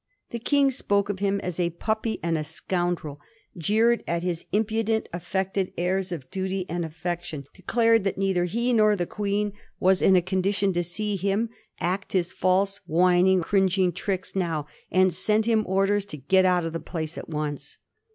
The King spoke of him as a puppy and a scoundrel; jeered at his impudent, affected airs of duty and affection, declared that neither he nor the Queen was in a condition to see him act his false, whining, cringing tricks now, and sent hinoi orders to get out of the place at once.